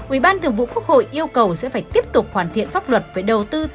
ủy ban thường vụ quốc hội yêu cầu sẽ phải tiếp tục hoàn thiện pháp luật về đầu tư